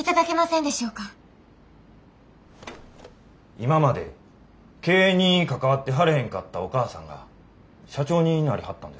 今まで経営に関わってはれへんかったお母さんが社長になりはったんですわな。